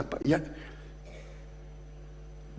di politik dan di sebuah bidang